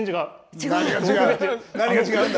何が違うんだ。